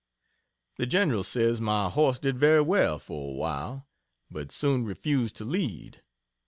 The General says my horse did very well for awhile, but soon refused to lead.